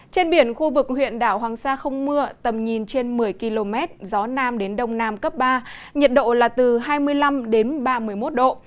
trên biển khu vực huyện đảo hoàng sa không mưa tầm nhìn trên một mươi km gió nam đến đông nam cấp ba nhiệt độ là từ hai mươi năm đến ba mươi một độ